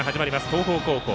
東邦高校。